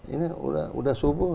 ini sudah subuh